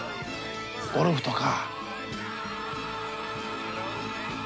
ゴルフとか。